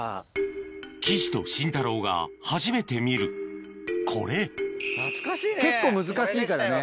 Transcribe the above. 岸とシンタローが初めて見るこれ結構難しいからね。